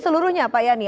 seluruhnya pak yani